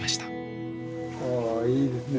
ああいいですね。